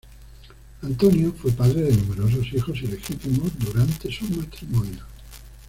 Antonio fue padre de numerosos hijos ilegítimos durante su matrimonio.